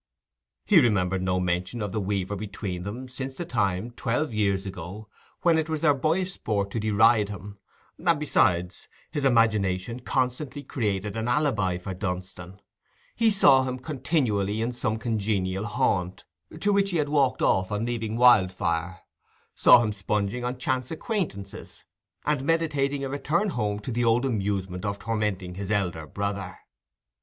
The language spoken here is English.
He remembered no mention of the weaver between them since the time, twelve years ago, when it was their boyish sport to deride him; and, besides, his imagination constantly created an alibi for Dunstan: he saw him continually in some congenial haunt, to which he had walked off on leaving Wildfire—saw him sponging on chance acquaintances, and meditating a return home to the old amusement of tormenting his elder brother.